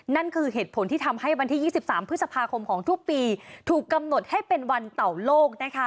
นั่นคือเหตุผลที่ทำให้วันที่๒๓พฤษภาคมของทุกปีถูกกำหนดให้เป็นวันเต่าโลกนะคะ